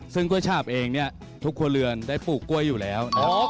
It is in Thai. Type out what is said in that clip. ซึ่งกล้วยฉาบเองเนี่ยทุกครัวเรือนได้ปลูกกล้วยอยู่แล้วนะครับ